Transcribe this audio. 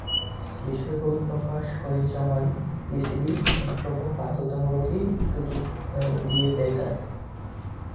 বিষয়গুলো প্রকাশ হয়ে যাওয়ায় বিসিবি একরকম বাধ্যতামূলক ছুটিই দিয়ে দেয় তাঁকে।